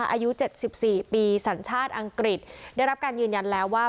อายุเจ็ดสิบสี่ปีศาลชาติอังกฤษได้รับการยืนยันแล้วว่า